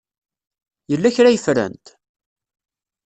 Yella kra ay ffrent?